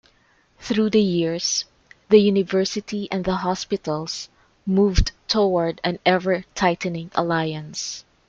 Through the years, the University and the hospitals moved toward an ever-tightening alliance.